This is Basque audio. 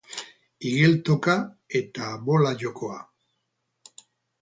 Igel toka eta bola jokoa.